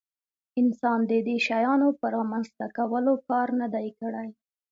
انسان د دې شیانو په رامنځته کولو کار نه دی کړی.